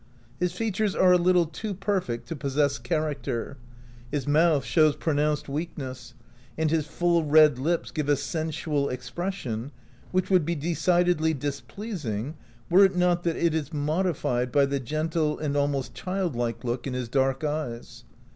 His features are a little too perfect to possess character; his mouth shows pronounced weakness, and his full red lips give a sensual expression, which would be decidedly dis pleasing were it not that it is modified by the gentle and almost childlike look in his dark eyes.